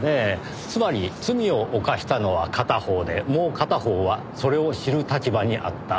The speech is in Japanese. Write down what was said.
つまり罪を犯したのは片方でもう片方はそれを知る立場にあった。